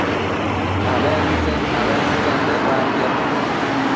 abentse-abentsen bedbantiad